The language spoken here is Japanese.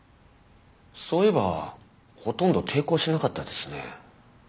そういえばほとんど抵抗しなかったですね。